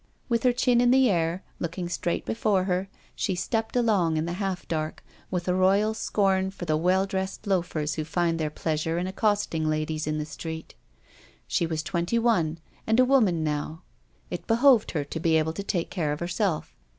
With her chin in the air, looking straight before her, she stepped along, in the half dark, with a royal scorn for the well dressed loafers who find their pleasure in accosting ladies in the street. She was twenty one, and a woman now ; it behooved her to be able to take care of herself.